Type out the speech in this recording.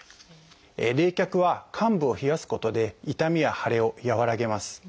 「冷却」は患部を冷やすことで痛みや腫れを和らげます。